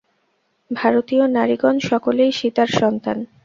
ভারতীয় নারীগণ সকলেই সীতার সন্তান।